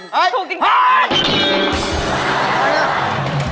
ถูก